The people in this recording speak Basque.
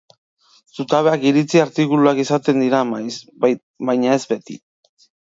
Zutabeak iritzi artikuluak izaten dira maiz, baina ez beti.